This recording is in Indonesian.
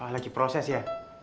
lagi proses ya